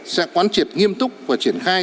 sẽ quán triệt nghiêm túc và triển khai